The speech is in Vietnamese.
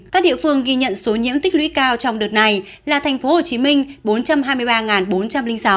các địa phương ghi nhận số nhiễm tích lũy cao trong đợt này là thành phố hồ chí minh bốn trăm hai mươi ba bốn trăm linh sáu